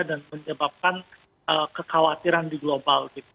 dan menyebabkan kekhawatiran di global gitu